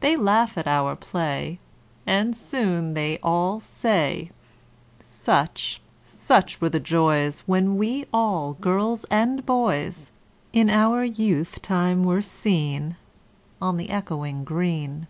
They laugh at our play, And soon they all say: ``Such, such were the joys When we all, girls & boys, In our youth time were seen On the Echoing Green.''